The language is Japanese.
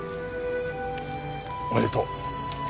おめでとう。